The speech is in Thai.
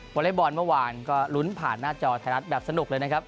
อเล็กบอลเมื่อวานก็ลุ้นผ่านหน้าจอไทยรัฐแบบสนุกเลยนะครับ